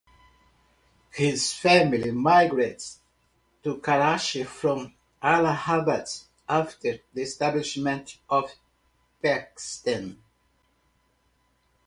His family migrated to Karachi from Allahabad after the establishment of Pakistan.